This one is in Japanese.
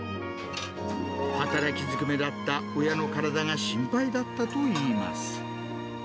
働きずくめだった親の体が心配だったといいます。